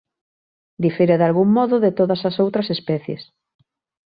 Difire dalgún modo de todas as outras especies.